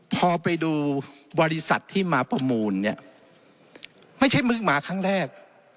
พอไปดูบริษัทที่มาประมูลเนี่ยไม่ใช่เพิ่งมาครั้งแรก